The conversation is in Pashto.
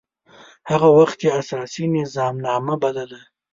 هغه وخت يي اساسي نظامنامه بلله.